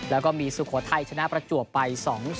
แล้วก็มีสุโขทัยชนะประจวบไป๒๐